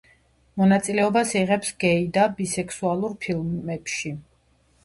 მონაწილეობას იღებს გეი და ბისექსუალურ ფილმებში.